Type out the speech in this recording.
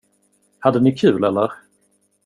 Hade ni kul eller?